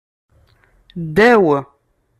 Ddaw.